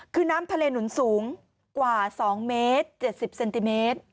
คือน้ำทะเลหนุนสูงกว่า๒เมตร๗๐เซนติเมตร